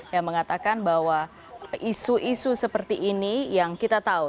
yang mengatakan bahwa isu isu seperti ini yang kita tahu